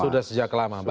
sudah sejak lama